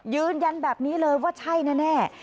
ยืนยันแบบนี้เลยว่าใช่แน่